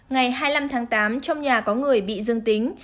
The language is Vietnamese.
ngày hai mươi năm tháng tám trong nhà có người bị dương tính